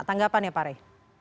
tanggapannya pak rey